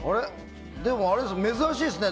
でも珍しいですね。